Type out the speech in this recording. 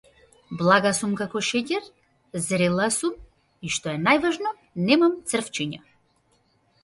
Блага сум како шеќер, зрела сум и што е најважно немам црвчиња.